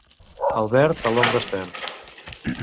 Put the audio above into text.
El verd, a l'ombra es perd.